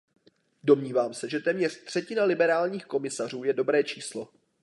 Domnívám se, že téměř třetina liberálních komisařů je dobré číslo.